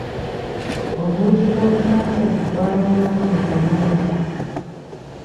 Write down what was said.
Obuugi bw'okumakya bwabangamu amata mangi.